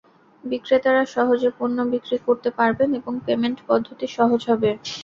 বিক্রেতারা সহজে পণ্য বিক্রি করতে পারবেন এবং পেমেন্ট পদ্ধতি সহজ হবে।